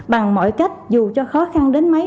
bằng mọi cách dù cho khó khăn đến mấy